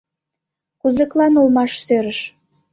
Кузыклан оламак сӧрыш